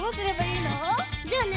じゃあね